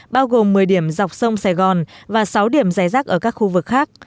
bao gồm một mươi điểm dọc sông sài gòn và sáu điểm dài rác ở các khu vực khác